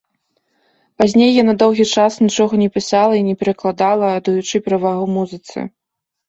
Пазней яна доўгі час нічога не пісала і не перакладала, аддаючы перавагу музыцы.